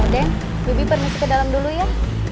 den bibi permisi ke dalam dulu ya